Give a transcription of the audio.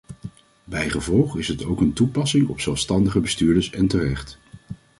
Bijgevolg is het ook van toepassing op zelfstandige bestuurders, en terecht.